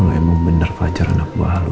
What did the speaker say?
kalo emang bener fajar anak mahal lo